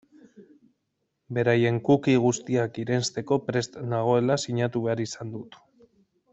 Beraien cookie guztiak irensteko prest nagoela sinatu behar izan dut.